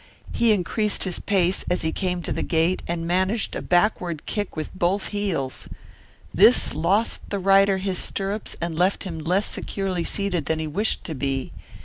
He increased his pace as he came to the gate, and managed a backward kick with both heels. This lost the rider his stirrups and left him less securely seated than he wished to be.